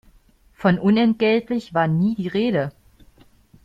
Von unentgeltlich war nie die Rede.